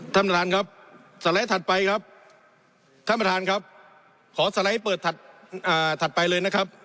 ท่านประธานครับสไลด์ถัดไปครับท่านประธานครับขอสไลด์เปิดถัดไปเลยนะครับ